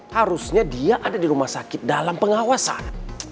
harusnya dia ada di rumah sakit dalam pengawasan